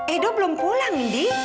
edo belum pulang di